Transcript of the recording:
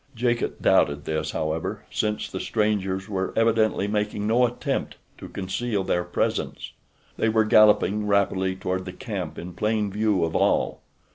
Jacot doubted this, however, since the strangers were evidently making no attempt to conceal their presence. They were galloping rapidly toward the camp in plain view of all.